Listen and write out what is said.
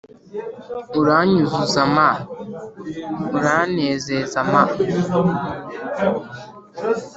uranyuzuza ma! uranezeza ma!